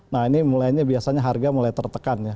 nah ini mulainya biasanya harga mulai tertekan ya